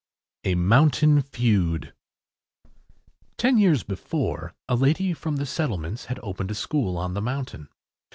A MOUNTAIN FEUD Ten years before a lady from the settlements had opened a school on the mountain.